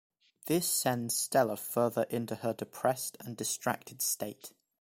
This sends Stella further into her depressed and distracted state.